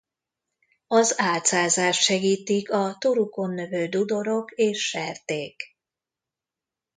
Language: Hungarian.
Az álcázást segítik a torukon növő dudorok és serték.